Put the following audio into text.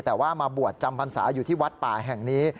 แต่ว่ามาบวชจำพรรษาอยู่ที่วัดป่าแห่งนี้